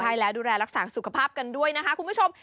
ใช่แล้วดูแลรักษาสุขภาพกันด้วยนะคะคุณผู้ชม